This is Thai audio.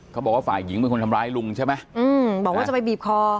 เขาบอกว่าฝ่ายหญิงเป็นคนทำร้ายลุงใช่ไหมอืมบอกว่าจะไปบีบคอ